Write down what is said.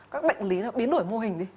các bệnh lý nó biến đổi mô hình đi